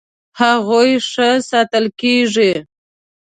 هغوی ښه ساتل کیږي.